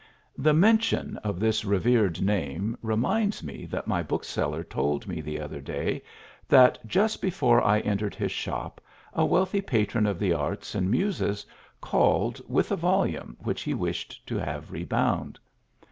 The mention of this revered name reminds me that my bookseller told me the other day that just before I entered his shop a wealthy patron of the arts and muses called with a volume which he wished to have rebound.